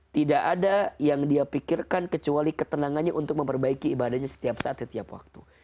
tidak ada yang dia pikirkan kecuali ketenangannya untuk memperbaiki ibadahnya setiap saat setiap waktu